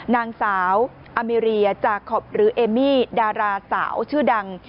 นางสาวอามิเรียจาคอปหรือเอมมี่ดาราสาวชื่อดัง